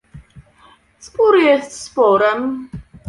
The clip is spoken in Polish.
spór jest sporem